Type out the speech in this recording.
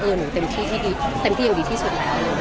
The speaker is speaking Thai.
เออหนูเต็มที่ที่ดีเต็มที่อย่างดีที่สุด